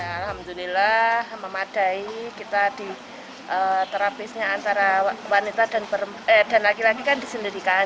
alhamdulillah memadai kita di terapisnya antara wanita dan laki laki kan disendirikan